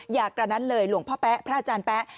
อยากกระนั้นเลยหลวงพ่อแป๊ะพระอาจารย์แป๊ะ